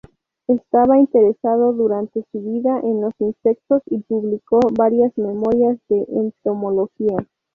Estaba interesado durante su vida en los insectos y publicó varias memorias de entomología.